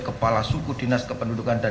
kepala suku dinas kependudukan dan